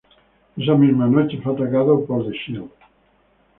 Esa misma noche fue atacado por The Shield.